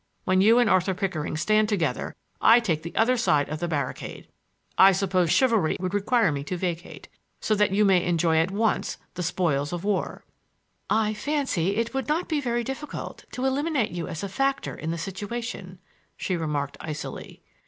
When you and Arthur Pickering stand together I take the other side of the barricade! I suppose chivalry would require me to vacate, so that you may enjoy at once the spoils of war." "I fancy it would not be very difficult to eliminate you as a factor in the situation," she remarked icily.